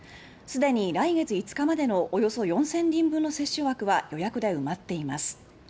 すでに来月５日までのおよそ４０００人分の接種枠は予約で埋まっています。